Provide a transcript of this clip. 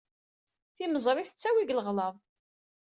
Timeẓri tettawey deg leɣlaḍ.